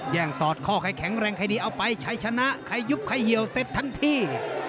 สอดข้อใครแข็งแรงใครดีเอาไปชัยชนะใครยุบใครเหี่ยวเซฟทั้งที่